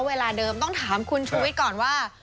เวลาเดิมต้องถามคุณชูวิทย์ก่อนว่า